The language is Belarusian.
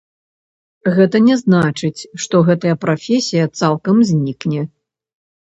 Гэта не значыць, што гэтая прафесія цалкам знікне.